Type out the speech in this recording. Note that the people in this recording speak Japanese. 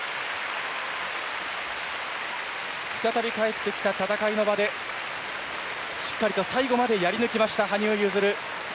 再び帰ってきた戦いの場でしっかりと最後までやり抜きました羽生結弦。